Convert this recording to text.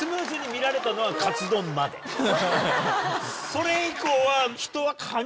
それ以降は人は。